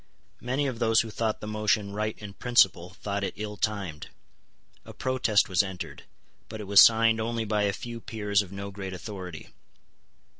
Many of those who thought the motion right in principle thought it ill timed. A protest was entered; but it was signed only by a few peers of no great authority.